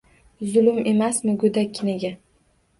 Zulm emasmi go'dakkinaga?!